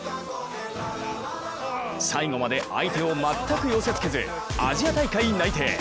最後まで相手を全く寄せ付けずアジア大会内定。